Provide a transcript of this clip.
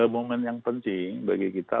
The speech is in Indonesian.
momen yang penting bagi kita